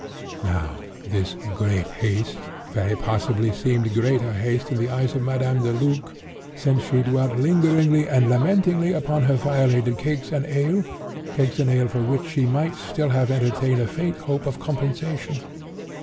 "Now this 'great haste' very possibly seemed greater haste in the eyes of Madame Deluc, since she dwelt lingeringly and lamentingly upon her violated cakes and ale—cakes and ale for which she might still have entertained a faint hope of compensation.